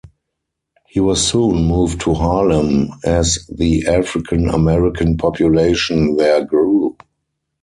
He was soon moved to Harlem, as the African-American population there grew.